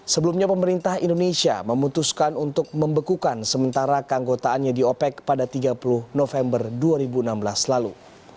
sebelumnya pemerintah indonesia memutuskan untuk membekukan sementara keanggotaannya di opec pada tiga puluh november dua ribu enam belas lalu